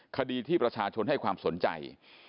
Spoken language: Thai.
คดีที่ประชาชนให้ความสนใจ